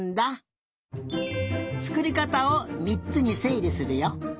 つくりかたをみっつにせいりするよ。